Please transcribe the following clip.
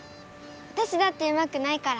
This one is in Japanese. わたしだってうまくないから。